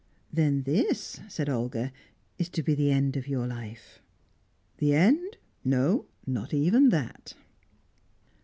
"Then this," said Olga, "is to be the end of your life?" "The end? No, not even that."